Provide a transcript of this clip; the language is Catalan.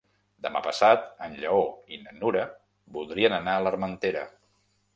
Demà passat en Lleó i na Nura voldrien anar a l'Armentera.